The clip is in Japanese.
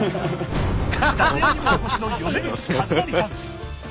スタジオにもお越しの米光一成さん。